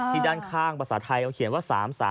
ที่ด้านข้างภาษาไทยเขาเขียนว่า๓๓๔๕๑๐